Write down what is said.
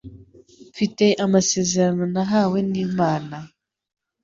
mfite amasezerano nahawe nimana